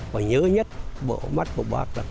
và nhớ nhất bộ mắt của bắc